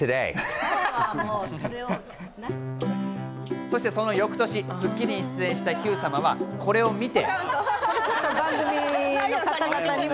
そして、その翌年『スッキリ』に出演したヒュー様はこれを見て。